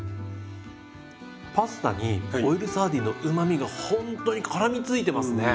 パスタにオイルサーディンのうまみがほんとにからみついてますね。